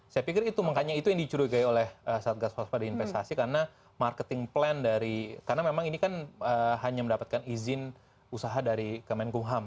saya pikir itu makanya itu yang dicurigai oleh satgas waspada investasi karena marketing plan dari karena memang ini kan hanya mendapatkan izin usaha dari kemenkumham